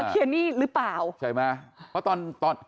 เดี๋ยวกลับมาทีลนี้หรือเปล่า